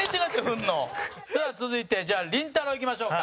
陣内：さあ、続いて、じゃありんたろー。いきましょうか。